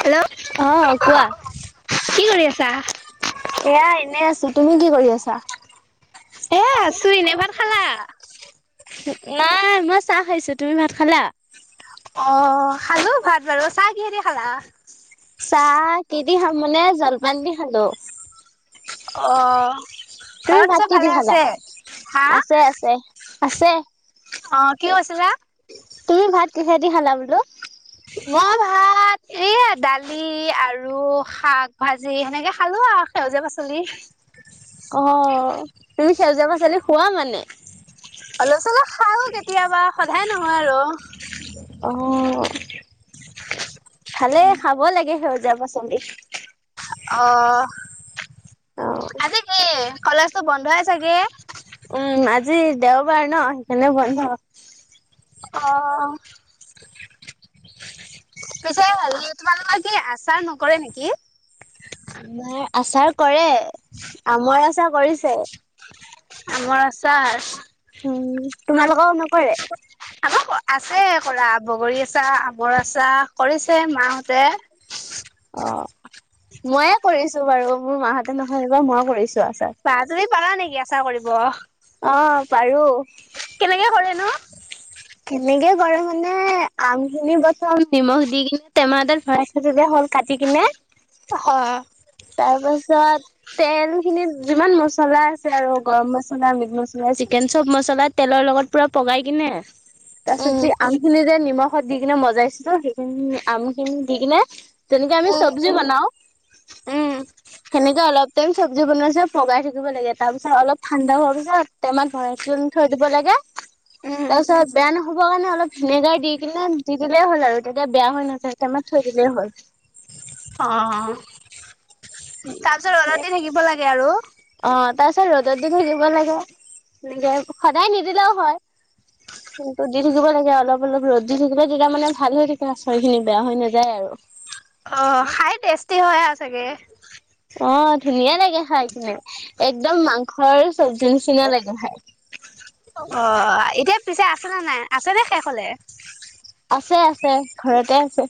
Hello অ কোৱা চাহ এয়া এনে আছো তুমি কি কৰি আছা এ আছো এনে ভাত খালা নাই মই চাহ খাইছো তুমি ভাত খালা অ খালো ভাত বাৰু চাহ কিহেদি খালা চাহ কিদি খাম মানে, জলপান দি খালো। অ'। তুমি ঘৰত ভাত চব কি দি ভালে খালা? আছে? হা? আছে আছে। আছে। অ' কি কৈছিলা? তুমি ভাত কিহেদি খালা বোলো? মই ভাত এয়া দালি আৰু শাক ভাজি সেনেকে খালো আৰু সেউজীয়া পাচলি। অ', তুমি সেউজীয়া পাচলি খোৱা মানে? অলপ চলপ খাওঁ কেতিয়াবা। সদায় নহয় আৰু। অ', ভালে খাব লাগে সেউজীয়া সেউজীয়া পাচলি। অ', আজি কি কলেজ টো বন্ধয়ে চাগে? উম আজি দেওবাৰ ন সেইকাৰণে বন্ধ। অ'। পিছে হেৰি তোমালোকৰ কি আচাৰ নকৰে নিকি? আমাৰ আচাৰ কৰে আমৰ আচাৰ কৰিছে। আমৰ আচাৰ উম, তোমালোকৰ নকৰে। আমাৰ আছে কৰা বগৰী আছাৰ, আমৰ আছাৰ কৰিছে মা হঁতে। অ', ময়ে কৰিছো বাৰু মোৰ মাহতে নহয় এইবাৰ মই কৰিছো। আচাৰ। বাহ তুমি পাৰা নিকি? আচাৰ কৰিব। অ', পাৰো। কেনো কেনেকে কৰে মানে, আমখিনি প্ৰথম নিমখ দি কিনে টেমা এটাত ভৰাই থৈ দিলে হ'ল কাটি কিনে। হয় তাৰপাছত তেল খিনিত যিমান মছলা আছে আৰু গৰম মছলা, মিট মছলা, চিকেন চব মছলা তেলৰ লগত পুৰা পগাই কিনে তাৰ পিছত উম যি আমখিনি যে নিমখ ত, দি কিনে মজাইছিলো সেইখিনি আম খিনি দি কিনে যেনেকে আমি উম চব্জি বনাও উম সেনেকে অলপ টাইম চব্জি বনোৱা নিচিনাকে পগাই থাকিব লাগে। তাৰ পিছত অলপ ঠাণ্ডা হোৱাৰ পিছত টেমাত ভৰাই থৈ দিব লাগে। উম তাৰপিছত বেয়া নহ'বৰ কাৰণে অলপ ভিনেগাৰ দি কিনে দি দিলেই হ'ল আৰু তেতিয়া বেয়া হৈ নাযায় টেমাত থৈ দিলেই হ'ল। অ'। তাৰ পিছত ৰ'দত দি থাকিব লাগে আৰু। তাৰপিছত ৰ'দত দি থাকিব লাগে, তেনেকে সদায় নিদিলেও হয়। কিন্তু দি থাকিব লাগে অলপ অলপ ৰ'দ দি থাকিলে তেতিয়া মানে ভাল হৈ থাকে আচাৰ খিনি বেয়া হৈ নাযায় আৰু। অ', খাই টেষ্টি হয়ে চাগে। অ, ধুনীয়া লাগে খাই কিনে। একদম মাংসৰ চবজিন চঙা লাগে অ খাই। এতিয়া পিছে আছেনে নাই, আছে নে শেষ হ'লে। আছে, আছে ঘৰতে আছে।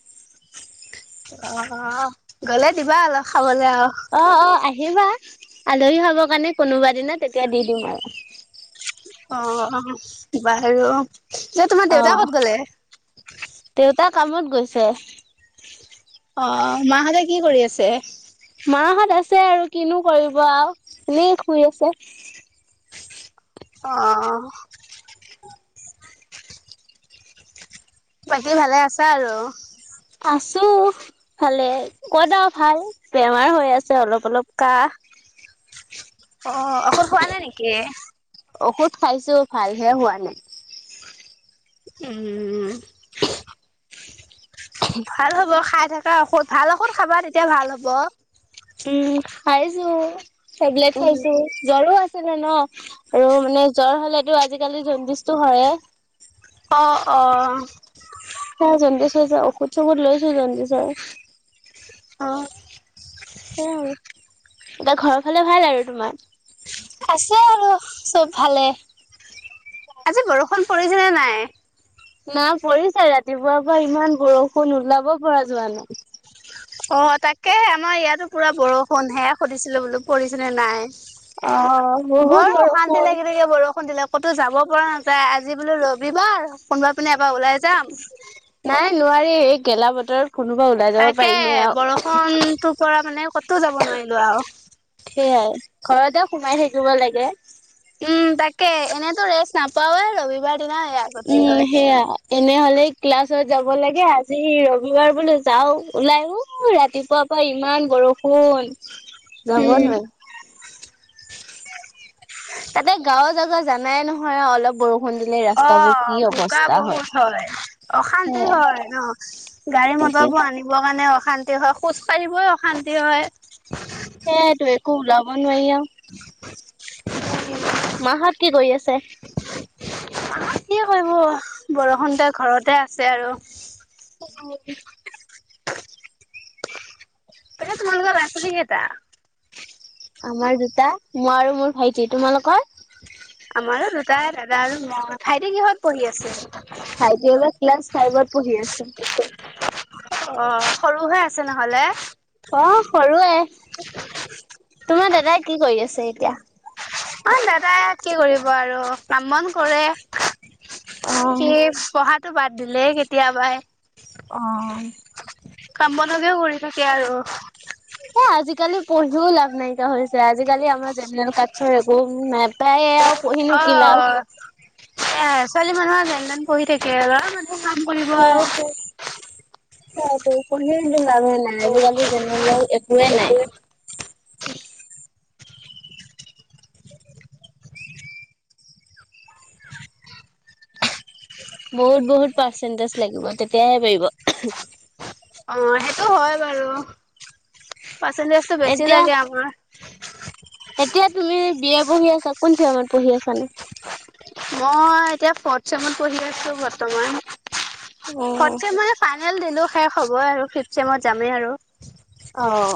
অ', অ', গ'লে দিবা অলপ খাব। অ', অ', আহ। আহিবা আলহী খাব কাৰণে কোনোবা দিনা তেতিয়া দি দিম আৰু। অ, বাৰু। ন তোমাৰ অ। দেউতা কত গ'লে? দেউতা কামত গৈছে। অ, মাহঁতে কি কৰি আছে? মাহত আছে আৰু কিনো কৰিব আৰু এনেই শুই আছে। অ। বাকি ভালে আছা আৰু। আছো ভালে কত আৰ ভাল বেমাৰ হৈ আছে অলপ, অলপ কাহ। অ, ঔষদ খোৱা নাই নেকি? ঔষধ খাইছো, ভালহে হোৱা নাই। উম। ভাল হ'ব খাই থাকো। তা ঔষধ ভাল ঔষধ খাবা তেতিয়া ভাল হ'ব। কি খাইছো? চবলেট অ খাইছো জ্বৰো আছ কি জানঅ? আৰু মানে জ্বৰ হলেতো আজিকালি জণ্ডিছটো হয়ে। অ-অ মোৰ জণ্ডিছো আছে আৰু ঔষধ-চৌখত লৈছোঁ জণ্ডিছৰ [unintelligible] গাৰ ঘৰৰ ফালে ভাল আৰু তোমাৰ? আছে আৰু, সব ভালে, আজি বৰষুণ পৰিছেনে নাই? নাল পৰিছে ৰাতিপুৱাৰপা ইমান বৰষুণ ওলাব পৰা যোৱা নাই। অ-তাকেহে আমা ইয়াতো পুৰা বৰষুণহে সুধিছিলো বোলো পৰিছেনে নাই? অ বৰ বহুত অশান্তি বৰষুণ। লাগি থাকে বৰষুণ দিলে ক'তো যাব পৰা নাযায় আজি বোলো ৰবিবাৰ, কোনবা পিনে এবা ওলাই যাম। নাই নোৱাৰি এই গেলা-বতৰ তাকে বৰষণ তো পৰা মানে ক'তো যাব নোৱাইলো আও সেইয়াই ঘৰতে সোমাই থাকিব লাগে। কে এনেতো ৰেচ নাপাওঁৱে ৰবিবাৰত্ [unintelligible] নাই আগতেই হয় এনেহলেই ক্লাছত যাব লাগে আজি ৰবিবাৰ বোলো যাও ওলাইহো ৰাতিপুৱাপা ইমান বৰষুণ যাব উম। নোৱাইম তাতে গাঁৱৰ জাগা জানাই নহয় আৰু অলপ বৰষুণ দিলে ৰাস্তাবোৰ কি অঁ বোকা অৱস্থা বহুত হয়, অশান্তি সেয়াই হয় ন, তাকে। গাড়ী-মটৰবোৰ আনিব কাৰণে অশ শান্তি হয়, খোজ কাঢ়িবই অশান্তি হয়। সেইয়াইটো একো ওলাবন নোৱাই আও [unintelligible] মাহঁত কি কৰি আছে? মাহত কি কৰিব, বৰষুণ যে ঘৰতে আছে আৰু। [unintelligible] এ তোমালোকৰ ল'ৰা-ছোৱালী কেইটা? আমাৰ দুটা, মই আৰু মোৰ ভাইটি, তোমালোকৰ? আমাৰো দুটাই দাদা আৰু মই, ভাইটি কিহঁত পঢ়ি আছে? ভাইটি এইবাৰ ক্লাছ ফাইভত পঢ়ি আছে। সৰুহৈ আছে নহ'লে। অহ্ সৰুৱে, তোমাৰ দাদাই কি কৰি আছ চে এতিয়া। আমাৰ দাদায়ে কি কৰিব আৰু কাম-বন কৰে অ সি পঢ়াত টো বাদ দিলেই কেতিয়াবাই। অঁ কাম বনকে কৰি থাকে আৰু। এ আজিকালি পঢ়িও লাভ নাইকিয়া হৈছে আজিকালি আমাৰ জেনেল কাঠছৰ একো নাই। প্ৰায়ে আৰু পঢ়িনো কি লাভ। সেইয়া আৰু, ছোৱালী মানুহৰ যেনতেন পঢ়ি থাকে, ল'ৰা মানুহ কাম কৰিব আৰু সেইয়াই টো পঢ়িয়ে লাভে নাই, আজিকালি জেনেৰেলৰ একোৱে নাই। [unintelligible] বহুত বহুত পাৰ্চেণ্টেজ লাগিব, তেতিয়াহে পাৰিব। অঁ সেইটো হয় বাৰু অঁ। পাৰ্চেন্টেজটো বেছি এতিয়া লাগে আমাৰ। এতিয়া তুমি বি এ পঢ়ি আছা, কোন চেমত। পঢ়ি আছানে মই এতিয়া ফৰ্থ চেমত পঢ়ি আছো বৰ্তমান। অ ফৰ্থ ছেম মানে ফাইনেল দিলো। শেষ হ'ব আৰু ফিফ চেমত যামেই আৰু। অঁহ,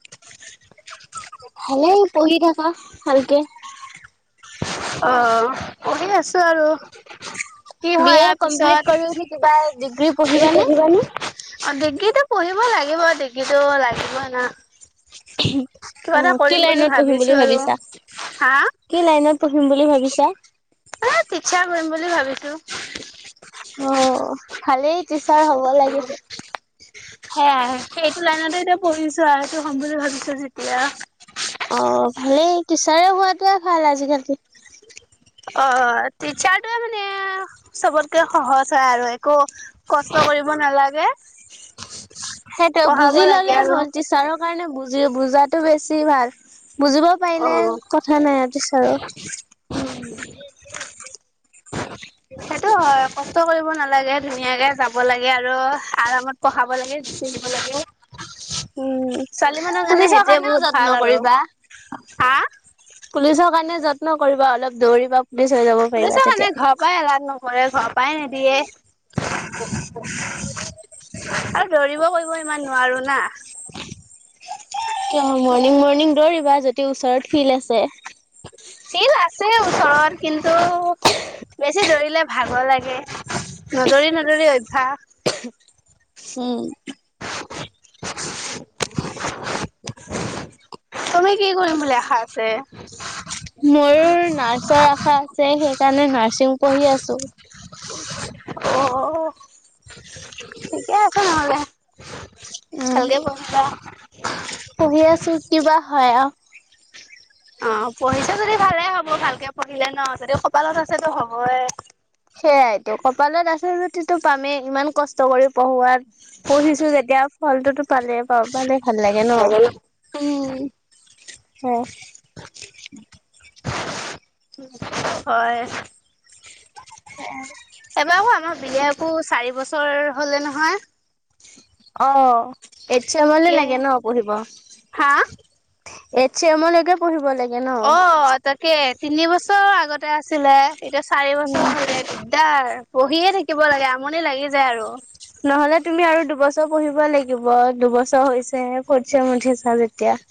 [inaudible] পঢ়ি থাক কা ভালকে। অ' কৰি আছো আৰু। কি বি হয় এ ইয়াৰ কমপ্লিট পিছত কৰিব কিবা ডিগ্ৰী তুমি পঢ়িব নে? পঢ়িবানে অ ডিগ্ৰীটো পঢ়িব লাগিব ডিগ্ৰীটো লাগিব না। কিবা অ এটা কি কৰিম বুলি লাইনত পঢ়িম ভাবিছো বুলি আৰু ভাবিছা হা কি লাইনত? পঢ়িম বুলি ভাবিছা। এ টিচাৰ কৰিম বুলি ভাবিছো, অ ভালেই তে তিচাৰ হ'ব লাগি হে সেইটো লাইনতে এতিয়া পঢ়িছো আৰু এইটো হ'ম বুলি ভাবিছো যেতিয়া। অ ভালেই টিচাৰে হোৱাাতোৱে ভাল আজিকালি। অ টিচাৰটয়ে মানে চবতকে সহজ হয় আৰু একো কষ্ট কৰিব নালাগে। সেইটো পঢ়াব বুজি লাগে ললেই আৰু হ'ল টিচাৰক, কাৰণে বুজি বুজাতো বেছি ভাল। বুজিব অ পাৰিলে, কথা নাই তিচাৰৰ সেইটো হয়, কষ্ট কৰিব নালাগে ধুনীয়াকে যাব লাগে আৰু, আৰামত পঢ়াব লাগে গুছি আহিব লাগে। উম ছোৱালী মানুহৰ কাৰণে পুলিচৰ সেইটোৱেই কাৰণেও বহুত যত্ন ভাল আৰু। কৰিবা। হা পুলিচৰ কাৰণে যত্ন কৰিবা অলপ দৌৰিবা। পুলিচ হৈ যাব পাৰিবা পুলিছৰ তেতিয়া। কাৰণে ঘৰৰ পৰাই এলআউট ন নকৰে ঘৰৰ পায় নেদিয়ে। [inaudible] আৰু দৌৰিব কৰিব ইমান নোৱাৰো না। মৰ্ণিং-মৰ্ণিং দৌৰিবা যদি যদি ওচৰত ফিল্ড আছে। ফিল্ড আছে ওচৰত কিন্তু, বেছি দৌৰিলে ভাগৰ লাগে, নদৌৰি-নদৌৰি অভ্যাস। উম। [unintelligible] তুমি কি কৰিম বুলি আশা আছে? ময়ো নাৰ্ছৰ আশা আছে, সেইকাৰণে নাৰ্ছিং পঢ়ি আছো। অ-অ-অ, ঠিকে আছে নহ'লে। উম। ভালকে পঢ়িবা। [inaudible] পঢ়ি আছো, কিবা হয় আৰু। অ, পঢ়িছা যদি ভালে হ'ব ভালকে পঢ়িলে ন, যদি কপালত আছেতো হ'বেই। সেইয়াইতো, কপালত যদি আছে যদিতো পামেই, ইমান কষ্ট কৰি পঢ়ো আৰ। পঢ়িছো যেতিয়া ফলটোতো পালে প পালে ভাল লাগে ন। উম অ। হয়। [unintelligible] এবাৰ আকৌ আমাৰ বিয়াকো, চাৰি বছৰ হ'লে নহয়। অ', এইট ছেমলে তাকে লাগে ন পঢ়িব। হা এইট ছেমলৈকে পঢ়িব লাগ অ', অ, তাকে। তিনি বছৰ আগতে আছিলে। এতিয়া চাৰি উম। বছৰ [inaudible] দিগদাৰ। পঢ়িয়ে থাকিব লাগে আমনি লাগি যায় আৰু। নহ'লে তুমি আৰু দুবছৰ পঢ়িব লাগিব, দুবছৰ হৈছে হে, ফৰ্থ ছেম উঠিছা যেতিয়া।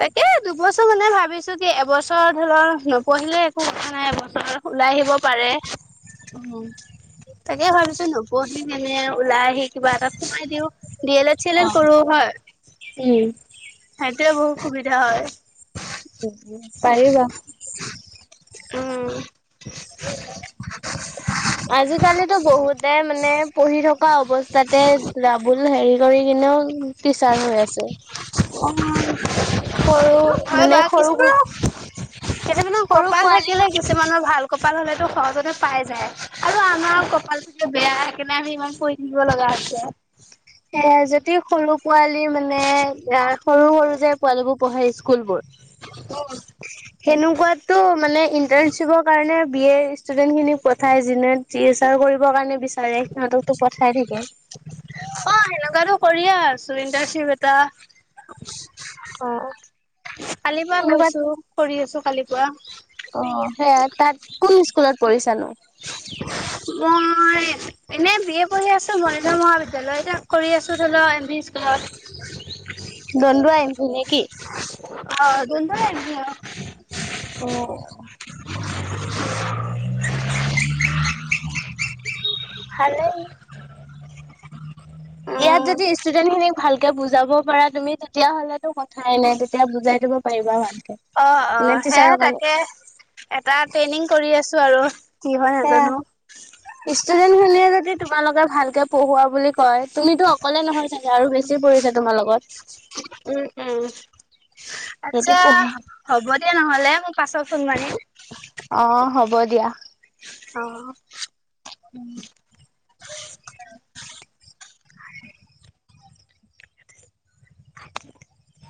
তাকে দুবছৰ মানে ভাবিছো কি এবছৰ ধৰি লক নপঢ়িলে একো কথা নাই এবছৰ ওলাই আহিব পাৰে। [inaudible] তাকে ভাবিছো নপঢ়ি তেনে ওলাই আহি কিবা এটাত সোমাই দিওঁ। D L Ed, C L Ed অ'। কৰো, হয়। উম সেইটোৱেই বহুত সুবিধা হয়। পাৰিবা [inaudible] উম [inaudible] আজিকালিিতো বহুতে মানে পঢ়ি থকা অৱস্থাতে ৰাাবুল হেৰি কৰি কিনেও টিচাৰ হৈ আছে অ সৰু হয় মানে বা সৰু কিছুমানৰ কিছুমানৰ সৰু কপাল পোৱালি থাকিলে কিছুমানৰ ভাল কপাল হ'লেতো সহজতে পাই যায় আৰু আমাৰ কপালটো বেয়া কাৰনে আমি ইমান কৰি থাকিব লগা আছে। এ যদি সৰু পোৱালি মানে সৰু সৰু যে পোৱালী বোৰ পঢ়ে স্কুল বোৰ সনেকুৱাতটো মানে ইন্টাৰণশ্বিপৰ কাৰণে বি এ ষ্টুডেন্ট খিনিক পঠাই যিনে টি এছ আৰ কৰিবৰ কাৰণে বিচাৰে সিহঁতকতো পঠাই থাকে অ সেনেকুৱাতো কৰিে আছো ইণ্টাৰ্নশ্বিপ এটা অ কালিৰ পৰাা সেনেকুৱাত গৈছো কৰি আছো কালি পুৱা অ সেয়া তাত কোন স্কুলত পঢ়িছানো মোৰ এনেই বি এ পঢ়ি আছো মৰিগ মহাবিদ্যায়লত তাক কৰি আছো ধ লও এন ভি স্কুলত। দণ্ডৱা এন ভি ন কি? অ দন্দুৱা এন ভি অ [inaudible] ভালেই। ইয়াত উম যদি ষ্টুডেন্ট খিনিক ভাল কে বুজাব পাৰা তুমি তেতিয়া হ'লে টো কথাই নাই তেতিয়া বুজাই দিব পাৰিবা ভাল। অ-অ সেয়া তাকে। এতা ট্ৰেইনিং কৰি আছো আৰু। কি হয় সেয়া নাজানো ইষ্টুডেণ্ খিয়ে যদি তোমালোকে ভাল কে পঢ়োৱা বুলি কয় তুমিতো অকলে নহয় চাগে। আৰু বেছি পৰিছে তোমাৰ লগত উম উম যদি পঢ়ে তেতিয়া নহ'লে মোক পাছত ফোন মাৰিম। অ' হ'ব দিয়া। অ' উম' [inaudible]